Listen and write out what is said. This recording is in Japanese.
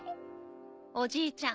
おじいちゃん